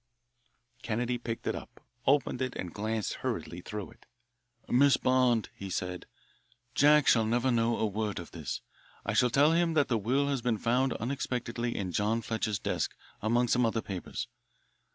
Kennedy picked it up, opened it, and glanced hurriedly through it. "Miss Bond," he said, "Jack shall never know a word of this. I shall tell him that the will has been found unexpectedly in John Fletcher's desk among some other papers.